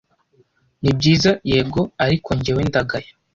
nibyiza yego ariko njyewe ndagaya